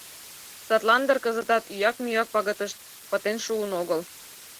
Садлан дыр кызытат ӱяк-мӱяк пагытышт пытен шуын огыл.